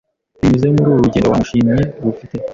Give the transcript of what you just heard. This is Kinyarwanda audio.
Binyuze muri uru rugendo wamushimye rufite